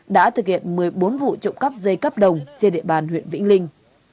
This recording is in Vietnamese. đã thực hiện một mươi bốn vụ trộm cắp dây cấp đồng trên địa bàn huyện vĩnh linh